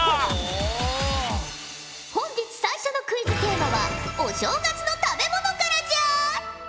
本日最初のクイズテーマはお正月の食べ物からじゃ！